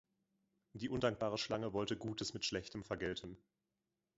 Die undankbare Schlange wollte Gutes mit Schlechtem vergelten.